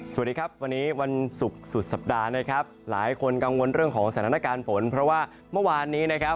สวัสดีครับวันนี้วันศุกร์สุดสัปดาห์นะครับหลายคนกังวลเรื่องของสถานการณ์ฝนเพราะว่าเมื่อวานนี้นะครับ